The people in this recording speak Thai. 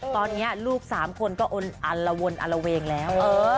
ตอนนี้ลูก๓คนก็อันละวนอลละเวงแล้ว